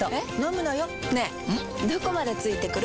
どこまで付いてくる？